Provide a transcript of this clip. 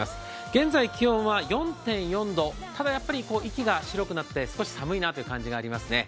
現在、気温は４．４度ただやっぱり息が白くなって少し寒いなという感じがありますね。